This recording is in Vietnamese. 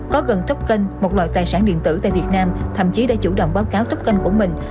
có gần token một loại tài sản điện tử tại việt nam thậm chí đã chủ động báo cáo token của mình